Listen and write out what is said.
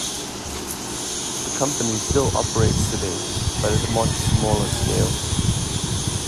The company still operates today, but at a much smaller scale.